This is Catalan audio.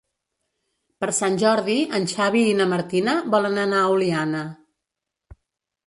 Per Sant Jordi en Xavi i na Martina volen anar a Oliana.